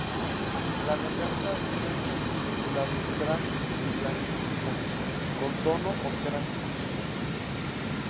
La garganta es blanca y la ventral blanquecina con tono ocráceo.